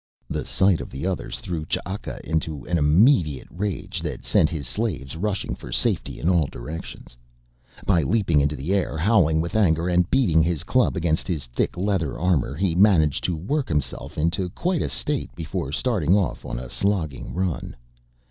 The sight of the others threw Ch'aka into an immediate rage that sent his slaves rushing for safety in all directions. By leaping into the air, howling with anger and beating his club against his thick leather armor he managed to work himself into quite a state before starting off on a slogging run.